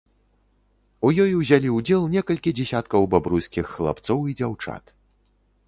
У ёй узялі ўдзел некалькі дзесяткаў бабруйскіх хлапцоў і дзяўчат.